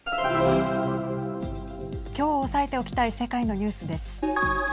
きょう押さえておきたい世界のニュースです。